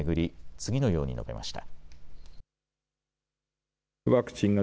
次のように述べました。